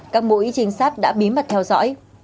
các mũi chính xác đã bí mật theo dõi